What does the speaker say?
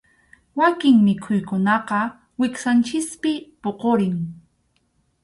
Wakin mikhuykunaqa wiksanchikpi puqurin.